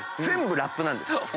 全部ラップなんです。